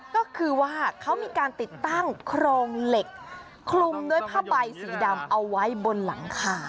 ก็คือว่าเขามีการติดตั้งโครงเหล็กคลุมด้วยผ้าใบสีดำเอาไว้บนหลังคา